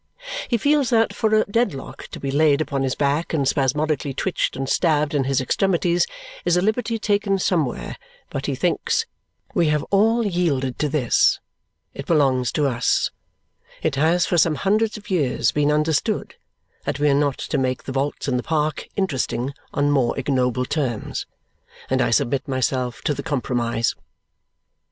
He feels that for a Dedlock to be laid upon his back and spasmodically twitched and stabbed in his extremities is a liberty taken somewhere, but he thinks, "We have all yielded to this; it belongs to us; it has for some hundreds of years been understood that we are not to make the vaults in the park interesting on more ignoble terms; and I submit myself to the compromise."